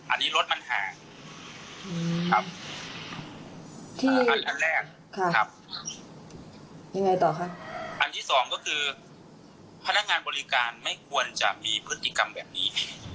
อันนี้รถมันห่างครับอันแรกครับยังไงต่อคะอันที่สองก็คือพนักงานบริการไม่ควรจะมีพฤติกรรมแบบนี้